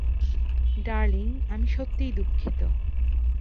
Darling, আমি সত্যিই দুঃখিত।